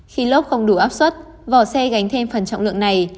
khi lốp không đủ áp suất vỏ xe gánh thêm phần trọng lượng này